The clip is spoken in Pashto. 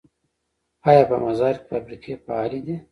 آیا په مزار کې فابریکې فعالې دي؟